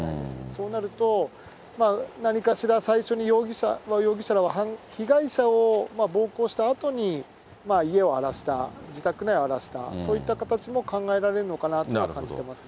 そうなると、何かしら最初に容疑者らは被害者を暴行したあとに家を荒らした、自宅内を荒らした、そういった形も考えられるのかなと感じてますね。